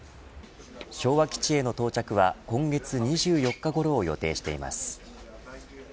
昭和基地への到着は今月２４日ごろを予定しています。